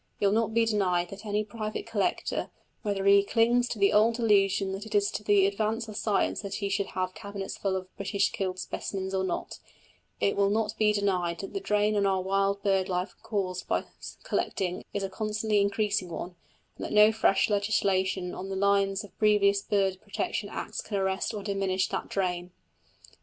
It will not be denied by any private collector, whether he clings to the old delusion that it is to the advantage of science that he should have cabinets full of "British killed" specimens or not, it will not be denied that the drain on our wild bird life caused by collecting is a constantly increasing one, and that no fresh legislation on the lines of previous bird protection Acts can arrest or diminish that drain.